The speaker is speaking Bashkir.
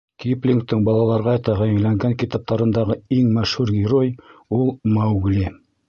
Киплингтың балаларға тәғәйенләнгән китаптарындағы иң мәшһүр герой ул — Маугли.